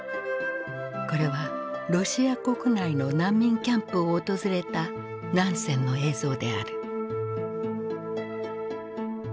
これはロシア国内の難民キャンプを訪れたナンセンの映像である。